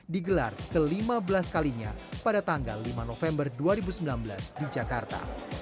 digelar ke lima belas kalinya pada tanggal lima november dua ribu sembilan belas di jakarta